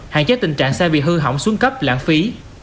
hạn chế tình trạng xe bị hư hỏng xuống cấp lãng phí